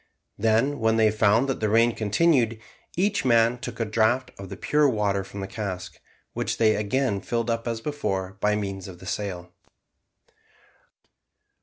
Then when they found that the rain continued, each man took a draught of the pure water from the cask, which they again filled up as before by means of the sail.